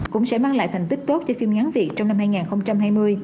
cũng sẽ mang lại thành tích tốt cho phim ngắn việt trong năm hai nghìn hai mươi